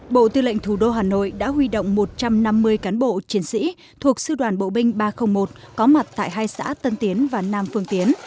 bộ tư lệnh thủ đô hà nội đã huy động một trăm năm mươi cán bộ chiến sĩ thuộc sư đoàn bộ binh ba trăm linh một có mặt tại hai xã tân tiến và nam phương tiến